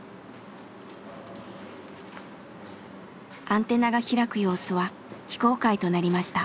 アンテナが開く様子は非公開となりました。